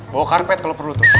bawa karpet kalau perlu tuh